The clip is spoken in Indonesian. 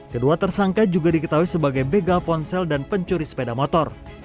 kedua tersangka juga diketahui sebagai begal ponsel dan pencuri sepeda motor